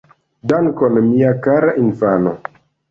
Dankon. Mia kara infano